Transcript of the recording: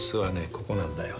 ここなんだよ。